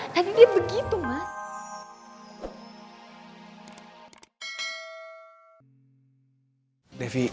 tadi dia begitu mas